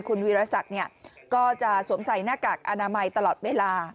คุณวีรศักดิ์ก็จะสวมใส่หน้ากากอนามัยตลอดเวลา